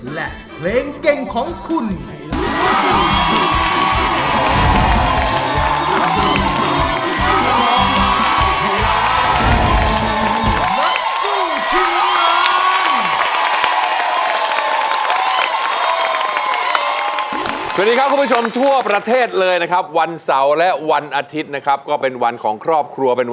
และเพลงเก่งของคุณ